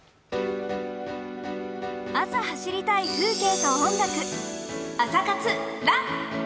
朝走りたい風景と音楽。